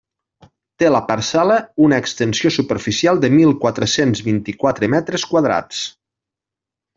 Té la parcel·la una extensió superficial de mil quatre-cents vint-i-quatre metres quadrats.